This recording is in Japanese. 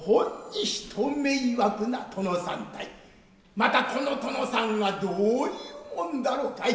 またこの殿さんはどういうもんだろかい。